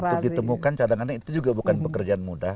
untuk ditemukan cadangannya itu juga bukan pekerjaan mudah